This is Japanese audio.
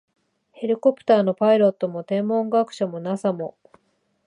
ヘリコプターのパイロットも、天文学者も、ＮＡＳＡ も、